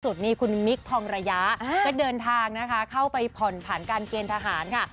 นี้คุณมิคทองระยะก็เดินทางนะคะเข้าไปผ่อนผันการเกณฑ์ทหารค่ะ